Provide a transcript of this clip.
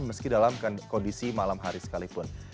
meski dalam kondisi malam hari sekalipun